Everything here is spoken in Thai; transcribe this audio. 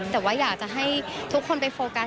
แต่ว่าอยากจะให้ทุกคนไปโฟกัส